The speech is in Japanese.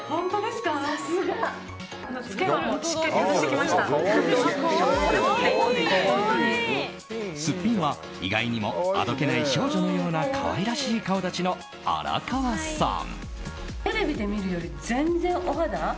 すっぴんは意外にもあどけない少女のような可愛らしい顔立ちの荒川さん。